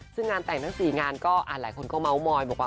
ซึ่งงานแต่งทั้ง๔งานก็หลายคนก็เม้ามอย